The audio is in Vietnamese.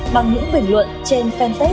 bằng những bình luận trên fanpage